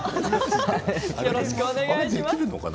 よろしくお願いします。